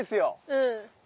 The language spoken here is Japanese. うん。